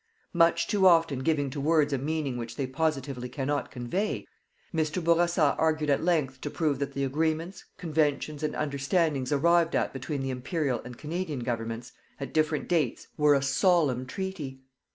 Much too often giving to words a meaning which they positively cannot convey, Mr. Bourassa argued at length to prove that the agreements, conventions, and understandings arrived at between the Imperial and Canadian Governments, at different dates, were a solemn treaty.